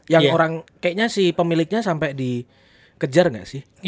yang orang kayaknya si pemiliknya sampai dikejar nggak sih